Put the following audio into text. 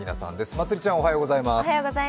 まつりちゃんおはようございます。